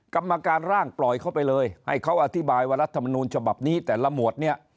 กรรมการร่างปล่อยเข้าไปเลยให้เขาอธิบายว่ารัฐมนูลฉบับนี้แต่ละหมวดเนี่ย